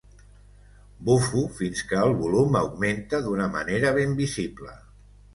Bufo fins que el volum augmenta d'una manera ben visible.